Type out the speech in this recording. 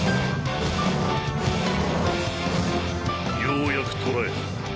ようやく捕らえた。